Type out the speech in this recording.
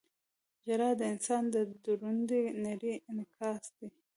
• ژړا د انسان د دروني نړۍ انعکاس دی.